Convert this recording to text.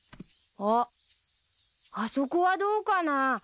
あっあそこはどうかな？